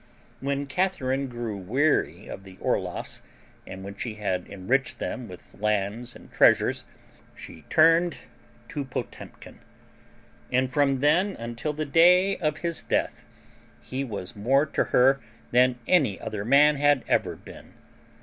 When Catharine grew weary of the Orloffs, and when she had enriched them with lands and treasures, she turned to Potemkin; and from then until the day of his death he was more to her than any other man had ever been.